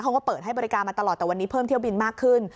เขาก็เปิดให้บริการมาตลอดแต่วันนี้เพิ่มเที่ยวบินมากขึ้น